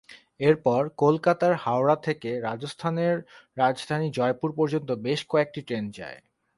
এরপর কলকাতার হাওড়া থেকে রাজস্থানের রাজধানী জয়পুর পর্যন্ত বেশ কয়েকটি ট্রেন যায়।